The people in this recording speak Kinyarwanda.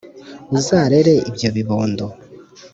Uzarere ibyo bibondo